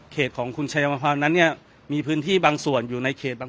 ของคุณชายมพรนั้นเนี่ยมีพื้นที่บางส่วนอยู่ในเขตบาง